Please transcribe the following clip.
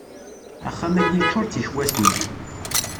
Axxam-agi yeččur d tikwatin.